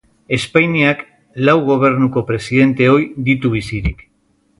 Espainiak lau Gobernuko presidente ohi ditu bizirik.